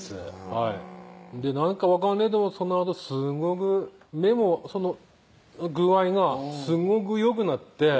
はいなんか分かんねどもそのあとすごく目も具合がすごくよくなっていや